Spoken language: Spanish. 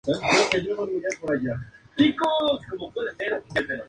Su obispado había durado diecisiete años.